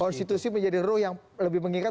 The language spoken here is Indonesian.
konstitusi menjadi roh yang lebih mengikat